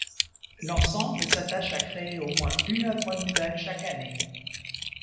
L'ensemble s'attache à créer au moins une œuvre nouvelle chaque année.